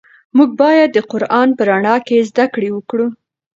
موږ باید د قرآن په رڼا کې زده کړې وکړو.